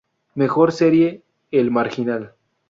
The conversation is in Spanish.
Mejor Serie, El Marginal